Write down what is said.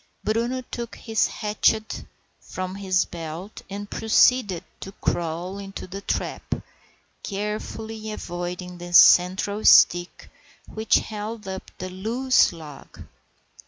Bruno took his hatchet from his belt and proceeded to crawl into the trap, carefully avoiding the central stick which held up the loose log.